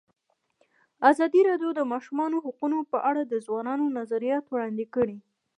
ازادي راډیو د د ماشومانو حقونه په اړه د ځوانانو نظریات وړاندې کړي.